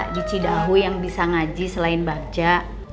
di cidahu yang bisa ngaji selain bagja